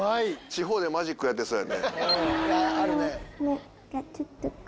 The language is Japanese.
地方でマジックやってそう。